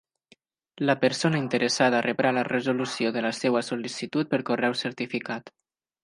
La persona interessada rebrà la resolució de la seva sol·licitud per correu certificat.